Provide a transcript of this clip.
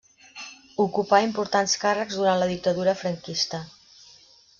Ocupà importants càrrecs durant la Dictadura franquista.